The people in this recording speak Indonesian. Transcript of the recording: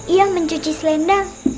iya mencuci selendang